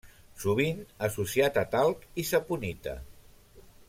Sovint associat a talc i saponita.